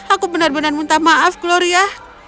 aku benar benar minta maaf gloria